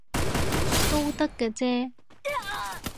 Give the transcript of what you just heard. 都得嘅啫